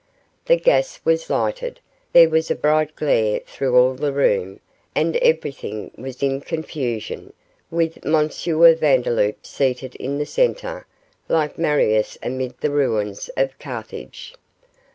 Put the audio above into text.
The gas was lighted, there was a bright glare through all the room, and everything was in confusion, with M. Vandeloup seated in the centre, like Marius amid the ruins of Carthage.